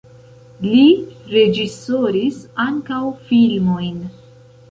Li reĝisoris ankaŭ filmojn.